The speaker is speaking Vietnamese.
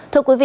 thưa quý vị